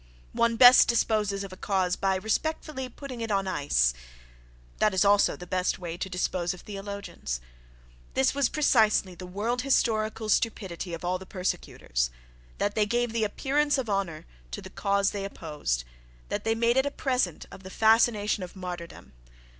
—One best disposes of a cause by respectfully putting it on ice—that is also the best way to dispose of theologians.... This was precisely the world historical stupidity of all the persecutors: that they gave the appearance of honour to the cause they opposed—that they made it a present of the fascination of martyrdom....